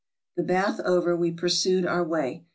The bath over, we pursued our way.